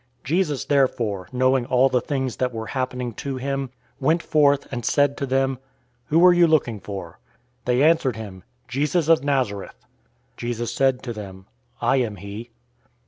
018:004 Jesus therefore, knowing all the things that were happening to him, went forth, and said to them, "Who are you looking for?" 018:005 They answered him, "Jesus of Nazareth." Jesus said to them, "I am he."